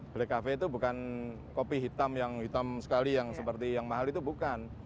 black cafe itu bukan kopi hitam yang hitam sekali yang seperti yang mahal itu bukan